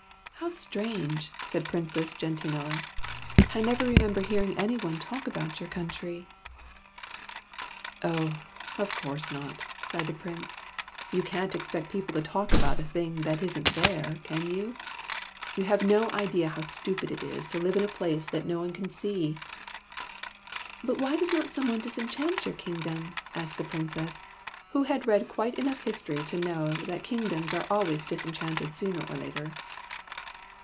" How strange !" said Princess Gentianella. " I never remember hearing any one talk about your country." 8o SOMEBODY ELSE'S PRINCE '' Of course not," sighed the Prince; you can't expect people to talk about a thing that is n't there, can you ? You have no idea how stupid it is to live in a place that no one can see. V " But why does not someone disenchant your kingdom ?" asked the Princess, who had read quite enough history to know that kingdoms are always disenchanted sooner or later.